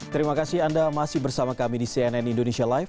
terima kasih anda masih bersama kami di cnn indonesia live